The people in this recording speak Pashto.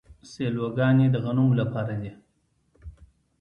سیلوګانې د غنمو لپاره دي.